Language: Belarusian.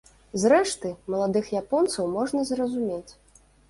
Зрэшты, маладых японцаў можна зразумець.